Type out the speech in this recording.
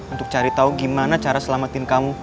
untuk cari tahu gimana cara selamatin kamu